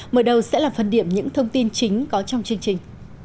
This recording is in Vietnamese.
mở đầu sẽ là phân điểm những thông tin chính có trong chương trình